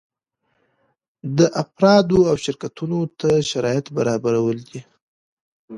دا افرادو او شرکتونو ته شرایط برابرول دي.